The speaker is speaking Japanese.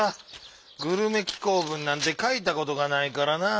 グルメ紀行文なんてかいたことがないからなぁ。